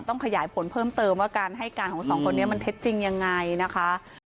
ขยายผลเพิ่มเติมว่าการให้การของสองคนนี้มันเท็จจริงยังไงนะคะ